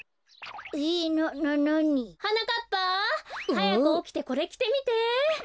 はやくおきてこれきてみて。